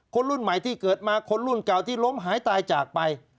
คนรุ่นใหม่ที่เกิดมาคนรุ่นเก่าที่ล้มหายตายจากไป